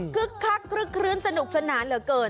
คักคลึกคลื้นสนุกสนานเหลือเกิน